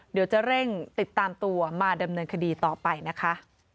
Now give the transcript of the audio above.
เดี๋ยวจะเร่งติดตามตัวมาดำเนินคดีต่อไปนะคะ